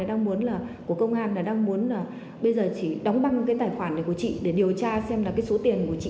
đang muốn là bây giờ chỉ đóng băng cái tài khoản này của chị để điều tra xem là cái số tiền của chị